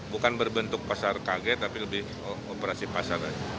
bukan berbentuk pasar kaget tapi lebih operasi pasar aja